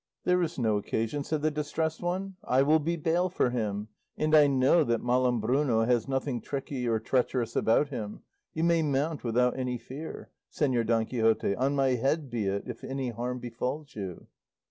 "There is no occasion," said the Distressed One; "I will be bail for him, and I know that Malambruno has nothing tricky or treacherous about him; you may mount without any fear, Señor Don Quixote; on my head be it if any harm befalls you."